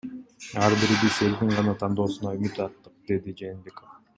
Ар бирибиз элдин гана тандоосуна үмүт арттык, — деди Жээнбеков.